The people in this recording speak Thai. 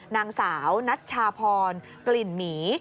นางสาวนัชชาพรกลิ่นหมี